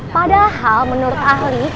padahal menurut ahli